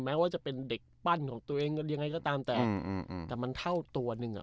แม้ว่าจะเป็นเด็กปั้นของตัวเองยังไงก็ตามแต่อืมแต่มันเท่าตัวหนึ่งอ่ะ